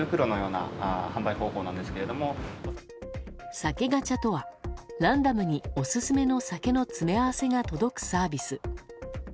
酒ガチャとはランダムにオススメの酒の詰め合わせが届くサービス。